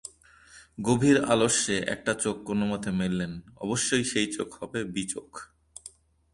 গভীর আলস্যে একটা চোখ কোনোমতে মেললেন-অবশ্যই সেই চোখ হবে-বী চোখ।